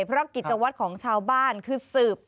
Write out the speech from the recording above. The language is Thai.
เพราะกิจวัตรของชาวบ้านคือสืบ